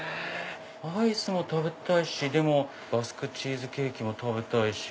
アイスも食べたいしバスクチーズケーキも食べたい。